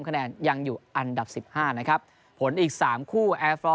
แค่แดนยังอยู่อันดับสิบห้านะครับผลอีกสามคู่